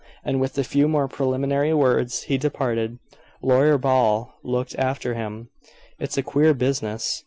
And with a few more preliminary words, he departed. Lawyer Ball looked after him. "It's a queer business.